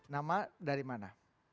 nama dari mana